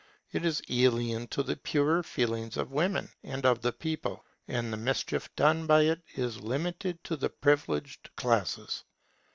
It is alien to the purer feelings of women and of the people, and the mischief done by it is limited to the privileged classes.